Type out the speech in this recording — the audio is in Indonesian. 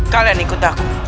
kalian ikut aku